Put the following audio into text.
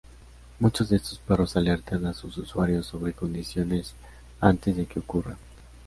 Muchos de estos perros "alertan" a sus usuarios sobre condiciones antes de que ocurran.